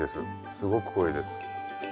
すごく濃いです。